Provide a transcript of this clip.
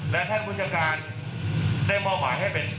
และท่านบุญชาการได้บ่อบหาให้เป็น